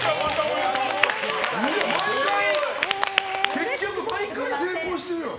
結局、毎回成功してるよ。